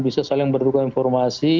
bisa saling bertukar informasi